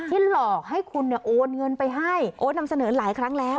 หลอกให้คุณเนี่ยโอนเงินไปให้โอ๊ตนำเสนอหลายครั้งแล้ว